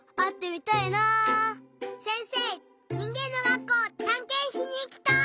にんげんの学校たんけんしにいきたい！